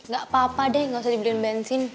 gak apa apa deh gak usah dibeliin bensin